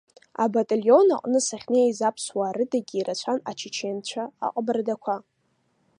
Абаталион аҟны сахьнеиз аԥсуаа рыдагьи ирацәан ачеченцәа, аҟабардақәа.